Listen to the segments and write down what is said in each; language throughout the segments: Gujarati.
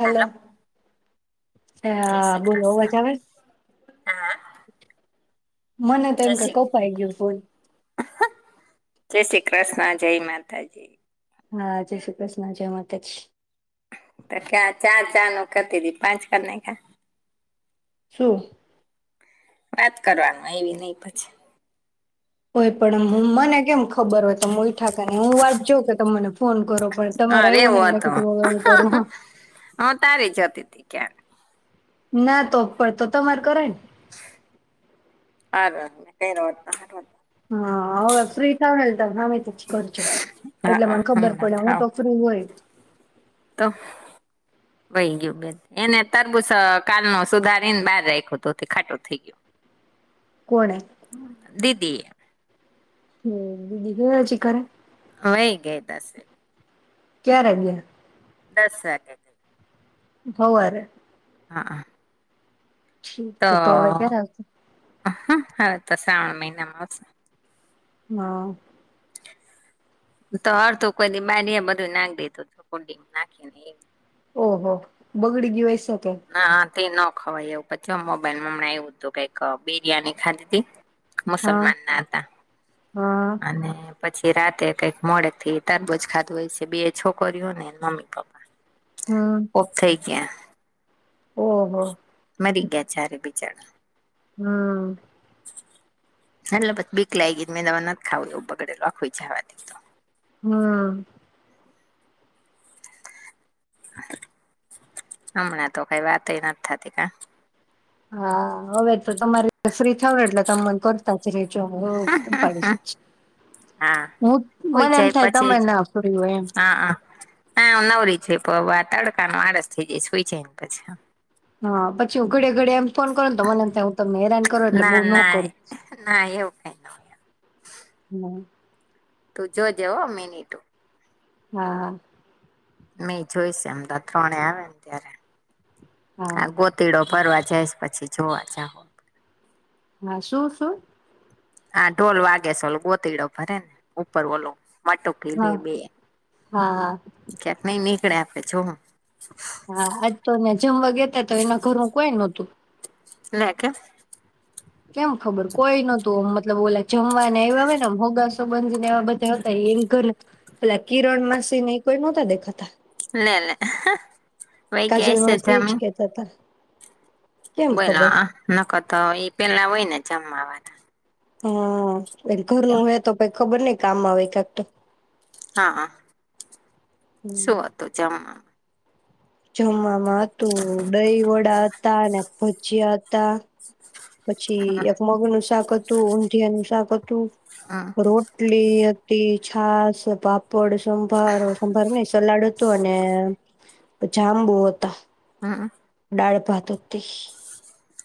હલો. હેલો એ જય હા શ્રી બોલો કૃષ્ણ વજાવે. હા મને તો જય એમ કે શ્રી કપાઈ ગયું ભૂલ જય શ્રી કૃષ્ણ જય માતાજી હા, જય શ્રી કૃષ્ણ. જય માતાજી. તો ક્યા ચાર ચા કરતી હતીી પાંચ કરને કા સ વાત કરવાનું એવી નહીં પછી. હોય પણ મને કેમ ખબર હોય તમે ઈઠાકા કને હું વાટજો કે ત મને ફોન કરો પણ તમારે હા આવું રેવો નહીં હતો નથી હવે હું કરું હ. કે ના તોડ તો તમાર કરે ને અરે [inaudible] હા, હવે ફ્રી થાઓ તો હામેં થી કરજો હા એટલે હા મને ખબર હમણાં પડે હમે થાવ તો ફ્રી હોયઅજ. તો વહી ગયું બે એને તરબૂસ કાલ નો સુધારીને બહાર રાખ્યું તો ખાટું થઈ ગયું. કોણે? દીદીએ. હમ દીદી ચીકરે? હય ગય દશે ક્યા ર્યા? દસકે છે હવારે. હા હા ઠીક તો હવે ક્યારે આવશે હા હા તો શ્રાવણ મહિનામાં આવશે હા. તો હર તું કોઈ દી બારી એ બધું નાખ દેધુંતું કુંડીમાં નાંખીને એ- ઓહો બગડી દવાય. હા તે નો. ખવાય એવું પછી મોબાઈલમાં હમણાં આવવું હતું કઈક બિરિયાની ખાધી ત હતી. હા મુસલમાન ના હતા હા અને. પછી રાતે કંઈક મોડેક થી તરબોજ ખાધું હોય છે બે છોકરીઓને મમ્મી પપ્પા. ઑફ થઇ ગયા. ઓ હો. મરી ગયા છે ક્યારે બેચારા. હમ. નાટલે પસ બીક લાગ ગઈ મેં દવા નથી ખાવું એવું બગડેલું આખું જવા દ. હા. હમણાં તો કઈ વાતએ ના નથી થતી ના. હા હવે તો તમારે ફ્રી થ એટલે તમન કરતા જ રે. હા હું હોય મને એમ જાય થાય પછી તને ના ફૂર હોય એમ. જે પ આ તડકા ન આળસ થઈ જઈ સુઈ જાય ને પછી. હા પછી ઉઘડે ડે એમ ફોન કરો ને તો મને એમ થાય હું તમને હેરાન કરું એટલે બહુ ના ન ના કરું. ના એવું કઈ ન હોય હમ્મ. તું જોજે હો મિની તું. હા. મે ઈ જોઈ એમ તો આ ત્રણેય આવે ને ત્યારે. હા આ ગોતીડો ફરવા જઈશ પછી જોવા જાહું. શું-શું? આ ઢોલ વાગે સે ઓલું ગોતિડો ભરે ને ઉપર ઓલું. વાટોકી લે હા બે. હા કયાંક નીની [unintelligible] આપણે જોહું. હા. આજ તોં અમે જમવા ગયાતા તો એના ઘરનું કોઈ નોતું. લે કે? કેમ ખબર, કોઈ નતું મતલબ ઓલે જમવા ને આયવાં હોય ને આમ હગાસ સંબંધી ને એવા બધાય હતા, એન ઘરના, પેલા કિરણ માસીને ઈ કોઈ નહોતા દેખાતા. લે-લે. કાજલમાસી ઈ જ કેતા તા. બોલો આ નકર તો ઈ પેલા હોય ને જ [unintelligible] હા. એન ઘરનું હે તો કેક ખબર નહીં કામમાં આવે [unintelligible] તો. હા હા. શું હતું જમવામાં? જમવામાં હતું દહી વડા હતા અને ભજીયા હતા. પછી એક મગ નું શાક હતું. તું, ઊંધિયા નું શાક હતું. હમ રોટલી. છાસ, પાપડ. સંભારો, સંભારો નઈ સલાડ હતું. તો અને જાંબુ હતા. હઅં. ડાળ ભાત. [unintelligible]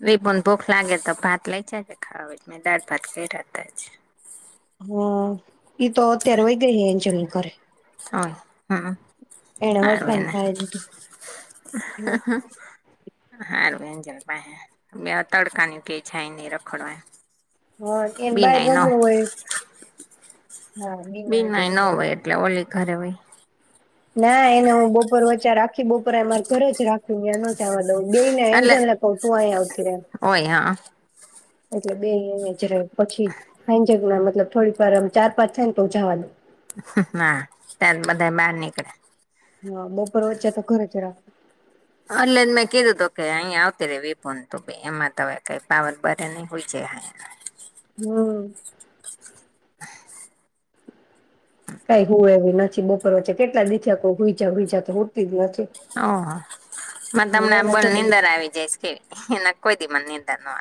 વિભુ ને ભૂખ લાગે તો ભાત લઈ જાજે, ખાવા હોય તો મેં દાળ ભાત કયરા તા આજ. હા ઈ તો અત્યારે વય ગઈ હે એન્જલની ઘરે. ઓય. હઅં. એને હરખાયનું ખાય લીધું. જલ પાહે. બે એવા તડકા ની ક્યાય જાય નઈ રખડવા ને એ. હા એને બાર રમવું હોય. હા બીના આંટી બિનાય ન રમે. હોય એટલે ઓલી. ઘરે હોય. ના એને હું બપોર વચ્ચારે, આખી બપોર એને અઇયા મારી ઘરે જ રાખું, ન્યાં નો જવા દવ. ક્વ. બેય ને એટલે એંજલ ને ક્વ તું અઇયા આવતી રે. હોય હા એટલે બેય અઇયા જ રય પછી, હાંજેક ના મતલબ થોડી વાર આમ ચાર પાંચ થાય ને તો જવા દવ. હા ત્યારે તો બધા બહાર નીકળે. હા બપોર વચ્ચે તો ઘરે જ રાખું. [inaudible] એટલે તો મે કીધું તો કે અહીંયા આવતી રે વિભૂ ને તું બેય. અમારે તો હવે કાંઈ પાવર બરે નહી, હુઈ જાય અઇયા. હમ. કઈ હુવે એવી નથી. બપોર વચ્ચે કેટલા દિ થયા ક્વ હુઈ જા હુઈ જા તો હુતી જ નથી. ઓહો મને તો નાના હમણાં છોકરા નીંદર આવી જાય છે કેવી. નકર મને તો કોઈદી નીંદર [inaudible]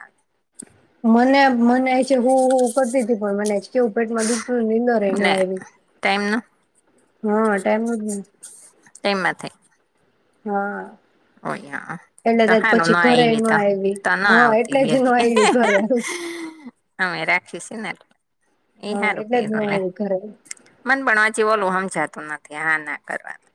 મને-મનેય આજ હુવુ હુવુ કરતીતી પણ મને આજ કેવું પેટમાં દુખતું તુ ને નીંદરય નો લે આવી. ટાઈમ ન હા ટાઈમનું જ ને. ટાઈમમાં થય? હા. ઓય હઅં. એટલે તો હારું પછી નો ઘરે આયવી ન તો, આવી તો નો હા આવતી એટલે બે જ ન દિ. આવી ઘરે હમે રાખી શીને. એ હા હારુ એટલે જ ન કર્યુંલે, આવી ઘરે મન ભણવા જેવું જાતું નથી આ ના કરવાનું.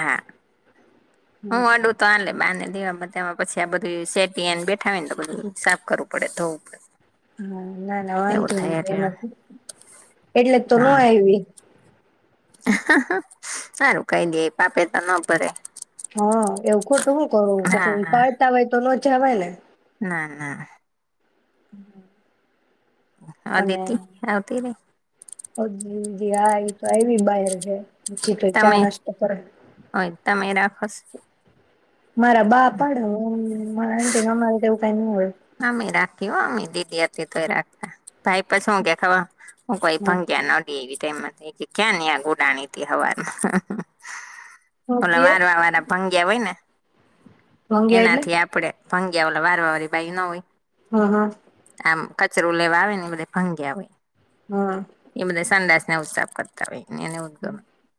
હા એવા બધામાં પછી, આ બધું સેટીને બેઠાને તો બધું સાફ કરવું પડે ધોવું પડે. હા, ના ના એવું વાંધું થાય એટલે એમાં એટલે તો ન આઈવી. હારુ કહી દે પાપે તો ન કરે. હા, એવું ખોટું હું હા હા કરું. જવાયને. ના ના. હમ્મ. હા દીતી આવતીરે. એતો આય ભી [unintelligible] છીક ચા તમે નાસ્તો કરો. હોય તમે રાખોસ. મારા બાપડ હું મરા મારે તેવું કઈ ન હોય. આમ યે રાખીએ હ અમે [unintelligible] હતી, તોય રાખતા. ભાઈ પછ હું દેખાવું, હું ક્યાંય પણ [unintelligible] તે મને કે, ક્યાં ન આગ ઉડાણી ત હવારના. પલા ભોગીયા વારવા વારા ભંગ્યા હોય ને ભોગીયા એટલે એનાથી આપડે ભંગ્આ ઓલા વારવા વારી બાઈ ન હોય હા, હા. કચરો લેવા આવે ને એ બધે ભંગ્યા ઓય હા એ બધા સંદાસ [unintelligible] સાફ કરતા હોય. એને [unintelligible]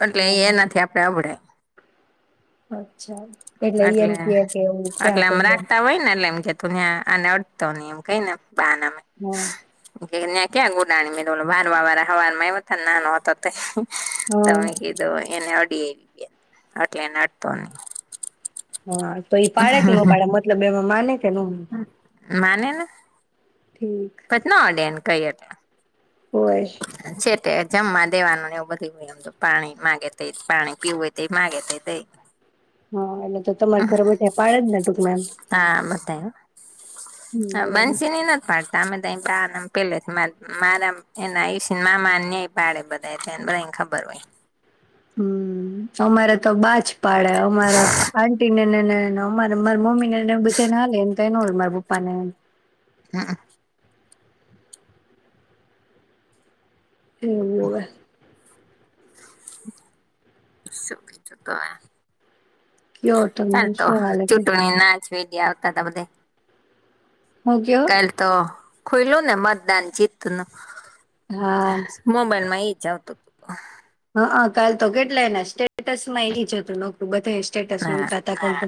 કટલે હા એ હા. એનાથી આપડે અવડે અચ્છા. એટલે ઈ એમ અટલે કે કે એવું ક્યાં અટલે આપે આમ એમ રાખતા હોય ને એટલે એમ કે તો ન્યાં આને અડતો નઈ એમ કઈ ને બાનામાં હા એને ક્યાં ઉડાણી [unintelligible] વારવા વારા હવારમાં આયવા તા ને, નાનો હતો તે હા. તમે કીધું એને એટલે એનેટતો નહી હા તો એઈ પાડે કે ન પાડે મતલબ એમાં મને કેનું માનેને કેત ન અડે એને કયટ હોય. સેટેડ જમવા દેવાનુંને એવું બધુંય હોય એમ તો પાણી માગે તે પાણી પીવું હોય તે માગે તે દેય હા એટલે તો તમારે ઘરે બધા પાડે જ ને ટૂંકમાંમ બો હ બંસીની ન નદ પા સામે તો બહાર નામ પેલે મા મારા એના આયુષ્યને મામાને ય પાડે બધાને બધા ખબર હોય હમ્મ, અમારે તો બાજ પાડે અમારા આંટી ને ને ને અમારે મારી મમ્મી ને બધા ના લે એમ કઈ ન હોય મારા પપ્પા ને હા એવુંવે સુખી ચકા કયો તમને ચાલતો શું હાલે છે ચૂંટણી ના ઈડ્યા આવતા હતા બધે હું કયો કાલ‌ તો ખોલ્યું ને મતદાન જીતતનું હા મોબાઈલમાં ઈ જતો હત હા કાલ તો કેટલાયને સ્ટેટસ માં એની જતું નોકું બ હા ટ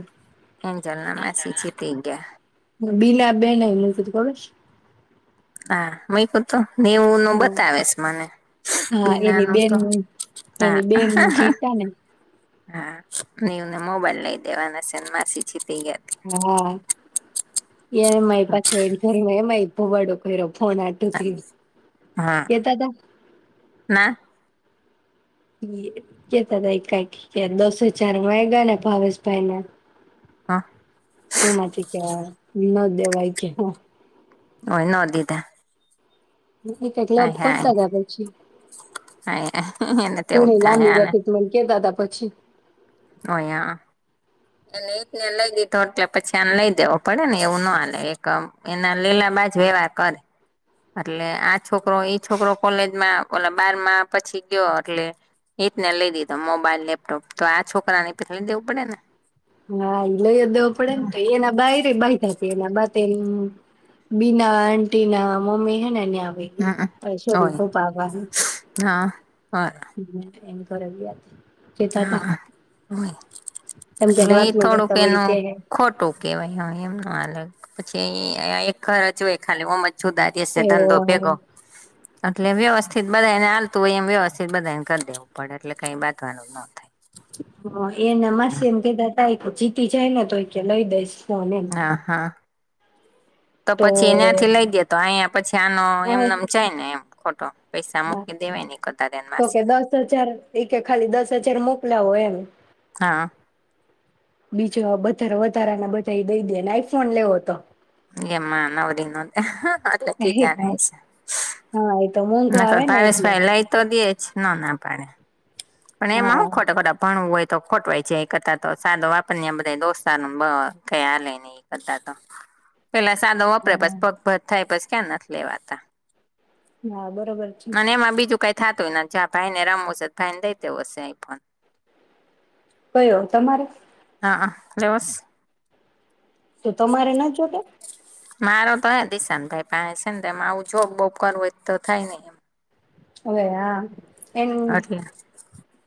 એન્જલ ના માસી જીતી ગયા [unintelligible] બીલા બેયને ના કધું [inaudible] હા મઈ કો તોું નેવું ન ખબર બતાવેશ મને છે હા બીના એની ન બેન તો હા એની બેન જીતા ને હા નેવને મોબાઈલ લઈ દેવાના છેને માસી ગયા હા, એ મારી પાજો એના ઘરે માં એમાંઈ. ભોવાાડો‌ ઈો [unintelligible] ફોન હાટું હતી. થ્રિયું હા કેતા થા. ના કેતા હતા કઈક દસો ચાર મળગા ને ભાવેશ ભાઈને. હ એમાંચી ક્યાં [unintelligible] દેવાય કે, હા. [unintelligible] [unintelligible] ક્લબ હાય હાય કરતા હતાા પછી હાય એને તેવું જ ઘણી થાય લાંબી વાતત મને કેતા હતા. પછી. ઓયાં. એને એક ને લઈ દીધો એટલે પછી આને લઈ દેવો પડે ને એવું ન હાલે એકદમ, એના લેલા બાજ વ્યવહાર કરે. અટલે આ છોકરો એ છોકરો કોલેજમાં ઓલા બારમાં પછી ગયો, એટલે એ જને લઈ દીધો મોબાઈલ, લેપટોપ તો આ છોકરાને [unintelligible] દેવું પડે ને? હા લય જ દેવો પડેને તો એના બાય રે. એના બંને બીના આન્ટી ના મમ્મી હે ને હમમ હોય હા ન્યા [unintelligible] [unintelligible] હા, તા હા, હોય. તમે ક્યાંક એટલે એઈ વાતનું થોડુંક કરતા વળી એનું કે ખોટું કેહેવાય હો, એમ ન હાલે. પછી અહીં અહીંયા એક ઘર જ જુએ ખાલી ઓમજ સુદારી દશે એ ધંધો ભેગો. એટલે વ્યવસ્થિત બધાને હાલતું હોય એમ વ્યવસ્થિત બધાને કરી દેવું પડે એટલે કઈ બાત [unintelligible] [unintelligible] એ નમાસેમ કે [unintelligible] [unintelligible] જીતી જાયને, તો ક્યે લઈ દઈશ. ફોન એમ હા, હા. તો પછી એ્યાંથી લઈ ગે તો અહીયા. પછી આનો આ એમનેમ છેાય ને એમ. ખોટો. પૈસા હા, મૂકી દેવાય ને કતારે તો કે માસીને દસ હજાર એ કે ખાલી દસ હજાર મોકલાવો એમ. હા બીજો બધાર વધારાના બધાય એ દઈ દે, એને આઈફોન લેવો તો. એમાં નવ દિ [unintelligible] અટલે એ ખીજાણા હશે, હા એ તો મોંઘો નખર આવે ને ભાવેશ એટલે ભાઈ લઈ તો દેજ. ના ના પડે. પણ એમાં હા હું ખોટા ખોટા ભણવું હોય... તો ખોટવાય છે, એ કરતા તો સાદો વાપર ને, અમ બધાય દોસ્તારનો બ કંઈ હાલે નહી એ કરતા તો. પેલા સાદો વાપરે હા પસ પગભત થાય પછ ક્યાં નથી લેવાતા. [inaudible] અને ને એમાં બીજું કય થાતુંય ને જ્યાં ભાઈ ને રમવું શે ભાઈને દઈ તેવું હશે. એ ફોન કયો તમારે? [unintelligible] તો તમારે નત જોતો? મારો તો, હ દિશાંતભાઈ પાસે છે ને આવું જોબ બોબ કરવું, એ તો થાય નહીં એમ. હવે આ એમ, એટલે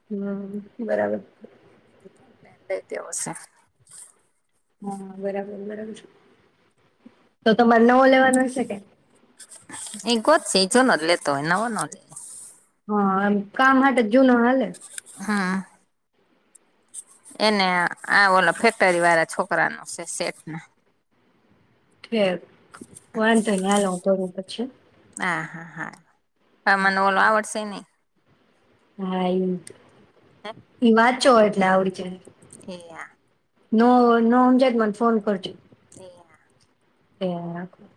હમ. બરાબર. [inaudible] હા બરાબર બરાબર છે તો તો મારે નવો લેવાનો સે કે. એ ગોતશે જ એનો લેતોય નવો ન લે. હ એમ કામ માટે જુનું હાલે, હા. એને આ ઓ ફેક્ટરીવાળા છોકરા ન છે, શેઠ ના. [unintelligible] વાંધોને, હાલ હું કરું પછી. હા, હા, હા. હા, મને ઓલો આવડશે ની. હા ઈ ઈ વાત ચો, એટલે આવડી ચે. એ યા. નો નો હમજાએ તો મને ફોન કરજે. ને આ. એઆ રાખું.